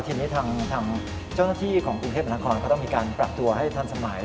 ทีนี้ทางเจ้าหน้าที่ของกรุงเทพนครก็ต้องมีการปรับตัวให้ทันสมัย